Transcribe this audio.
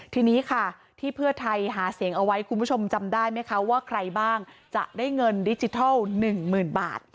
ทีนี้ค่ะที่เพื่อไทยหาเสียงเอาไว้คุณผู้ชมจำได้ไหมคะว่าใครบ้างจะได้เงินดิจิทัล๑๐๐๐บาท